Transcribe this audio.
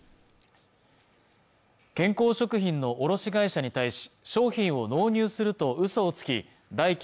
健康食品の卸会社に対し商品を納入するとうそをつき代金